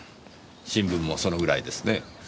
新聞もそのぐらいですねぇ。